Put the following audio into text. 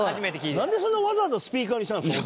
なんでそんなわざわざスピーカーにしたんですか？